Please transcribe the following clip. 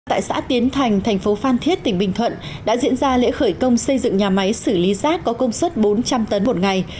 tại xã tiến thành thành phố phan thiết tỉnh bình thuận đã diễn ra lễ khởi công xây dựng nhà máy xử lý rác có công suất bốn trăm linh tấn một ngày